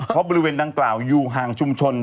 เพราะบริเวณดังกล่าวอยู่ห่างชุมชน